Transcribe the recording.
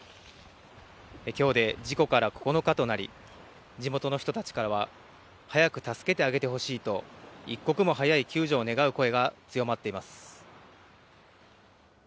きょうで事故から９日となり、地元の人たちからは早く助けてあげてほしいと、一刻も早い救助を願う声が強まっています。